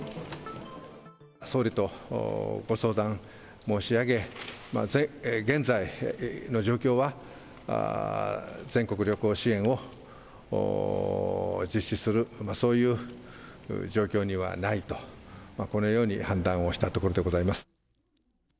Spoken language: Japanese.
総理とご相談申し上げ、現在の状況は、全国旅行支援を実施する、そういう状況にはないと、このように判断をしたところでございます。